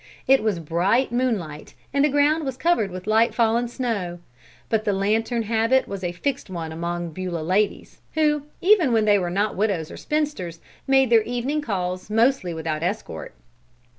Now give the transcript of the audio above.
It was bright moonlight and the ground was covered with light fallen snow, but the lantern habit was a fixed one among Beulah ladies, who, even when they were not widows or spinsters, made their evening calls mostly without escort.